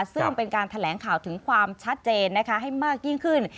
ซึ่งเป็นการแถลงข่าวถึงความชัดเจนให้มากยิ่งขึ้น